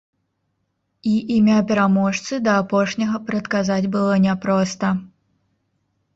І імя пераможцы да апошняга прадказаць было няпроста.